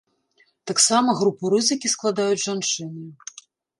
Таксама групу рызыкі складаюць жанчыны.